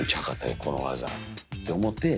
この技って思って